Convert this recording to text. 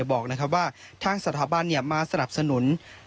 บอกว่าทางสถาบันมาสนับสนุน